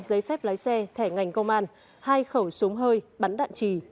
giấy phép lái xe thẻ ngành công an hai khẩu súng hơi bắn đạn trì